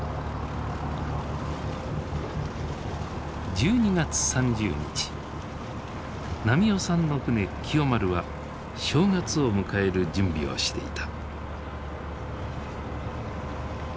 １２月３０日波男さんの船喜代丸は正月を迎える準備をしていた。